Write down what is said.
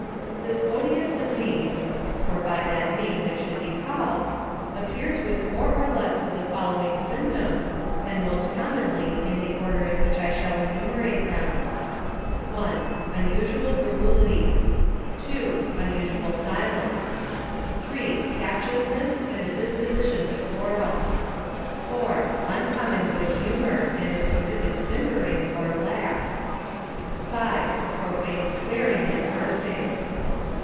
This odious disease (for by that name it should be call ed) appears with more or less of the following symptoms, and most commonly in the order in which I shall enume rate them. 1. Unusual garrulity. I. Unusual silence. A ON THE EFFECTS OF 3. Captiousncss, and a disposition to quarrel. 4. Uncommon good humour, and an insipid simpering, or laugh. 5. Profane swearing, and cursing.